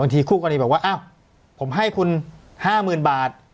บางทีคู่กรณีบอกว่าอ้าวผมให้คุณห้าหมื่นบาท